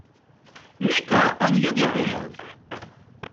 Miko on Jõgõperäll